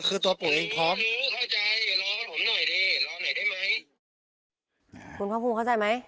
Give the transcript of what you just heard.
คือตัวปู่เองพร้อมรอกันผมหน่อยดิรอหน่อยได้ไหมคุณครับคุณเข้าใจไหม